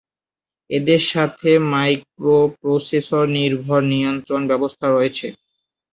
এদের সাথে মাইক্রোপ্রসেসর-নির্ভর নিয়ন্ত্রণ ব্যবস্থা রয়েছে।